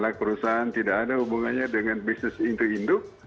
anak perusahaan tidak ada hubungannya dengan bisnis induk induk